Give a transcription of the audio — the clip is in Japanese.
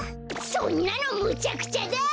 そんなのむちゃくちゃだ！